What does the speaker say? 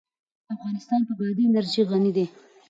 افغانستان په بادي انرژي غني دی.